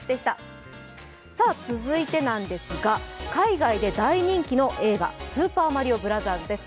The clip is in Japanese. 続いてですが海外で大人気の映画「スーパーマリオブラザーズ」です。